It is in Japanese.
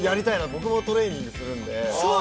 僕もトレーニングをするので。